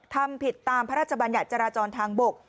ทำผิดตามพระราชบัญญัติจราจรทางบก